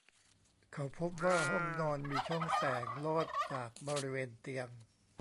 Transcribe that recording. เขาพบว่าห้องนอนมีช่องแสงลอดจากบริเวณเตียง